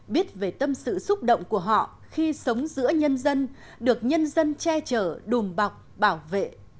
biết về tâm sự xúc động của họ khi sống giữa nhân dân được nhân dân che chở đùm bọc bảo vệ